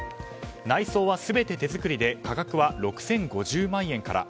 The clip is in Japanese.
内装は全て手作りで価格は６０５０万円から。